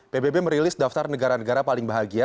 pbb merilis daftar negara negara paling bahagia